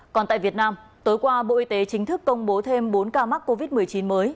còn tại việt nam tối qua bộ y tế chính thức công bố thêm bốn ca mắc covid một mươi chín mới